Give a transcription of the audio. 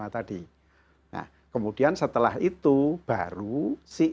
lima tadi kemudian setelah itu baru si